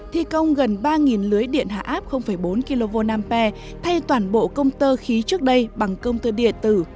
thi công gần ba lưới điện hạ áp bốn kv nam pe thay toàn bộ công tơ khí trước đây bằng công tơ điện tử